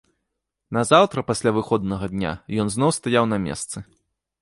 Назаўтра пасля выходнага дня ён зноў стаяў на месцы.